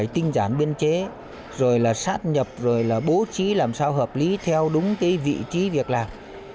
tinh giản biên chế rồi là sát nhập rồi là bố trí làm sao hợp lý theo đúng cái vị trí việc làm